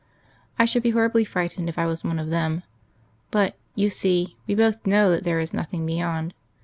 I should be horribly frightened if I was one of them. But, you see, we both know that there is nothing beyond.